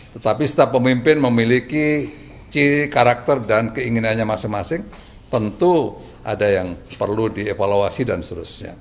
tetapi setiap pemimpin memiliki ci karakter dan keinginannya masing masing tentu ada yang perlu dievaluasi dan seterusnya